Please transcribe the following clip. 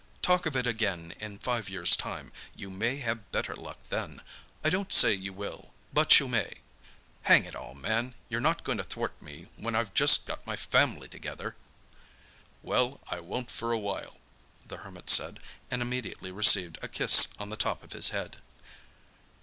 Talk of it again in five years' time—you may have better luck then. I don't say you will—but you may! Hang it all, man, you're not going to thwart me when I've just got my family together!" "Well, I won't for a while," the Hermit said and immediately received a kiss on the top of his head.